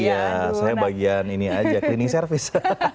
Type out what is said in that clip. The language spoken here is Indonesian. iya saya bagian ini aja cleaning service